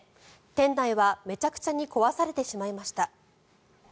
店内はめちゃくちゃに壊されてしまいました。